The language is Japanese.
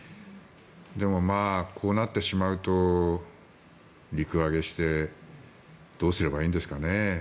でも、こうなってしまうと陸揚げしてどうすればいいんですかね。